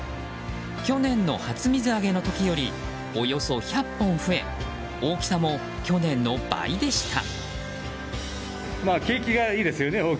去年の初水揚げの時よりおよそ１００本増え大きさも去年の倍でした。